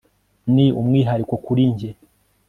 ni umwihariko kuri njye